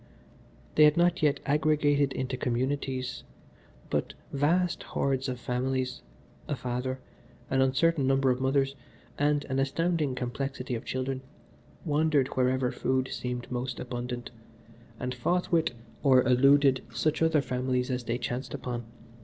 They had not yet aggregated into communities, but vast hordes of families a father, an uncertain number of mothers, and an astounding complexity of children wandered wherever food seemed most abundant, and fought with or eluded such other families as they chanced upon.